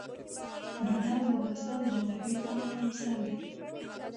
بادام د افغانستان د جغرافیوي تنوع یو مثال دی.